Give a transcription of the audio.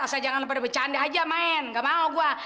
asal jangan pada bercanda aja main gak mau gue